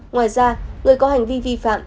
ngoài ra người có hành vi vi phạm